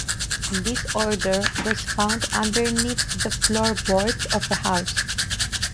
This order was found underneath the floorboards of the house.